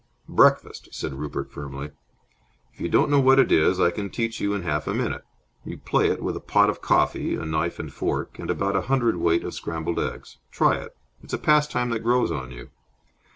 "Breakfast," said Rupert, firmly. "If you don't know what it is, I can teach you in half a minute. You play it with a pot of coffee, a knife and fork, and about a hundred weight of scrambled eggs. Try it. It's a pastime that grows on you."